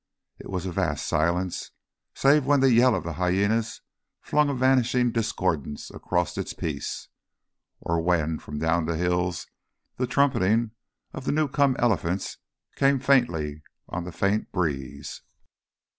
It was a vast silence, save when the yell of the hyænas flung a vanishing discordance across its peace, or when from down the hills the trumpeting of the new come elephants came faintly on the faint breeze.